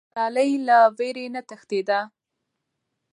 ملالۍ له ویرې نه تښتېده.